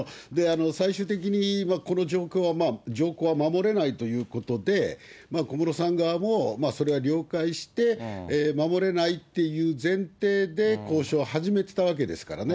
最終的に、この状況は、条項は守れないということで、小室さん側もそれは了解して、守れないっていう前提で交渉を始めてたわけですからね。